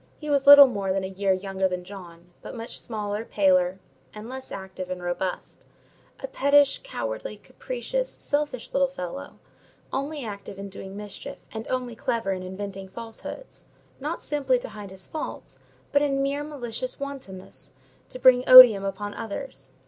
He was little more than a year younger than John, but much smaller, paler, and less active and robust; a pettish, cowardly, capricious, selfish little fellow, only active in doing mischief, and only clever in inventing falsehoods: not simply to hide his faults, but, in mere malicious wantonness, to bring odium upon others.